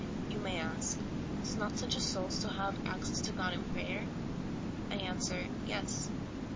You may ask, *' Does not such a soul still have ac cess to God in prayer ?" I answer. Yes.